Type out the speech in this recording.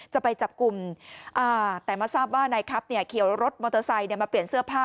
จะไปจับกลุ่มแต่มาทราบว่านายครับเขียวรถมอเตอร์ไซค์มาเปลี่ยนเสื้อผ้า